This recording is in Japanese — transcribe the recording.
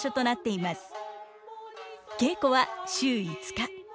稽古は週５日。